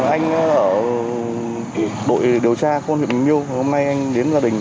anh ở đội điều tra khuôn huyện bình liêu hôm nay anh đến gia đình